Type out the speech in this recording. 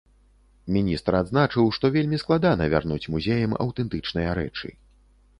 Міністр адзначыў, што вельмі складана вярнуць музеям аўтэнтычныя рэчы.